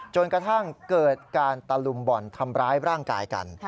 จนกระทั่งเกิดการตะลุมบ่อนทำร้ายร่างกายกัน